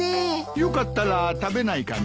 よかったら食べないかね。